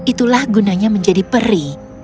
itulah gunanya menjadi peri